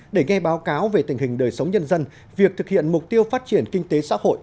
để nghe báo cáo về tình hình đời sống nhân dân việc thực hiện mục tiêu phát triển kinh tế xã hội